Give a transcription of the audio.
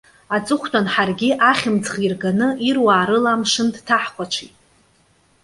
Аҵыхәтәан ҳаргьы, ахьымӡӷ ирганы, ируаа рыла амшын дҭаҳхәаҽит.